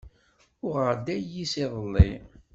Uɣeɣ-d ayis iḍelli.